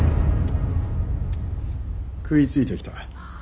食いついてきた。